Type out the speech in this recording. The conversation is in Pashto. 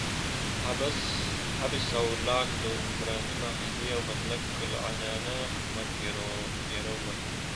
هابس او لاک د عمراني معاهدې او مطلق العنانه حکومت پیر ول.